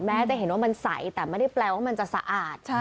จะเห็นว่ามันใสแต่ไม่ได้แปลว่ามันจะสะอาด